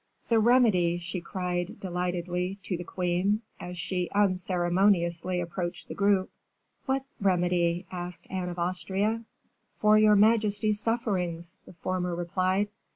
"The remedy!" she cried, delightedly, to the queen, as she unceremoniously approached the group. "What remedy?" said Anne of Austria. "For your majesty's sufferings," the former replied.